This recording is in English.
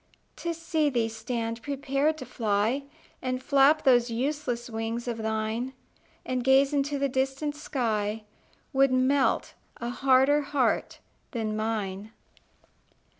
To see thee stand prepared to fly, And flap those useless wings of thine, And gaze into the distant sky, Would melt a harder heart than mine.